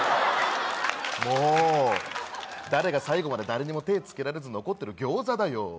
もう誰が最後まで誰にも手つけられず残ってる餃子だよ